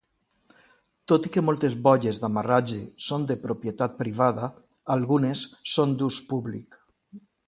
Tot i que moltes boies d'amarratge són de propietat privada, algunes són d'ús públic.